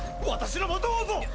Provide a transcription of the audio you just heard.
私のもどうぞ！